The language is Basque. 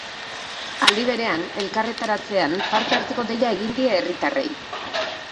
Aldi berean, elkarretaratzean parte hartzeko deia egin die herritarrei.